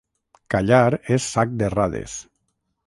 Callar és sac d'errades.